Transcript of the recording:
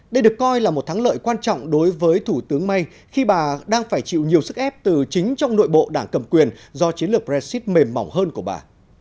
đây được coi là một thắng lợi quan trọng đối với thủ tướng may khi bà đang phải chịu nhiều sức ép từ chính trong nội bộ đảng cầm quyền do chiến lược brexit mềm mỏng hơn của bà